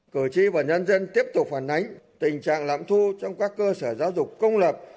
cử tri và nhân dân tiếp tục phản ánh tình trạng lạm thu trong các cơ sở giáo dục công lập